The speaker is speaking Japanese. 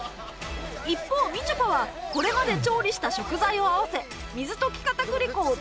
一方みちょぱはこれまで調理した食材を合わせ水溶き片栗粉を投入